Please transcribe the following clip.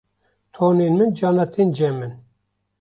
tornên min carna tên cem min